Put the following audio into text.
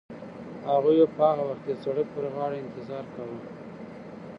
هغوی به په هغه وخت کې د سړک پر غاړه انتظار کاوه.